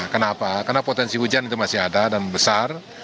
kenapa karena potensi hujan itu masih ada dan besar